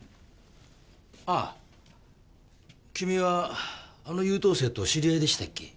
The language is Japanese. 君はあの優等生と知り合いでしたっけ？